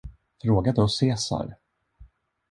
Fråga då Cesar!